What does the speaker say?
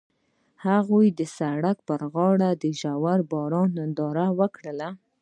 هغوی د سړک پر غاړه د ژور باران ننداره وکړه.